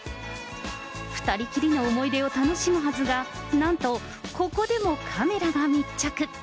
２人きりの思い出を楽しむはずが、なんとここでもカメラが密着。